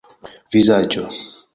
vizaĝo